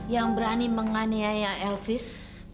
yang bahkan menganiaya elvis